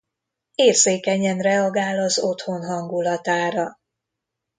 Érzékenyen reagál az otthon hangulatára.